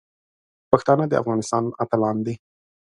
پښتانه د افغانستان اتلان دي.